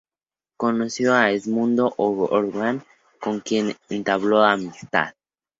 Conoció a Edmundo O'Gorman con quien entabló amistad.